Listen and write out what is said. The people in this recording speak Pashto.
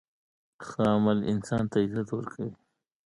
ښه عمل انسان ته عزت ورکوي.